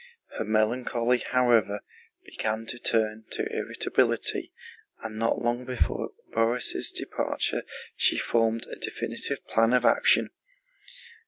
Her melancholy, however, began to turn to irritability, and not long before Borís' departure she formed a definite plan of action.